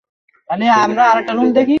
তখনই থামাই যখন সে চেপে ধরতে থাকে।